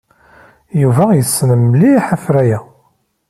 Yuba yessen mliḥ afray-a.